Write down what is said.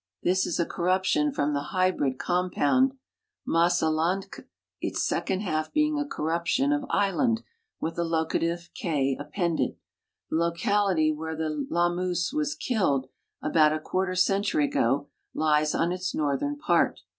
Tliis is a corruption from the hy briil compound ^Miis ellnd'k, its second half being a corru[)tion of ishuid, with the locative k appended. The locality wheie the las moose was killed, about a century ago, lies on itf^ northern part.